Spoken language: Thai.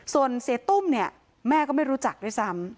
ส่วนเสียตุ้มเนี่ยแม่ก็ไม่รู้จักด้วยซ้ำ